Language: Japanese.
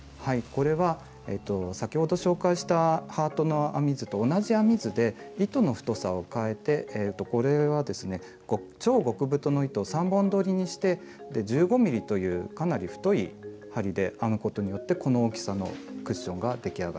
これは先ほど紹介したハートの編み図と同じ編み図で糸の太さをかえてこれはですね超極太の糸を３本どりにして１５ｍｍというかなり太い針で編むことによってこの大きさのクッションが出来上がります。